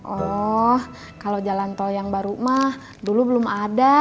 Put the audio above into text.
oh kalau jalan tol yang baru mah dulu belum ada